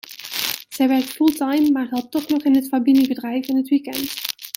Zij werkt fulltime, maar helpt toch nog in het familiebedrijf in het weekend.